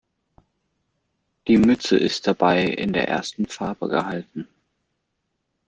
Die Mütze ist dabei in der ersten Farbe gehalten.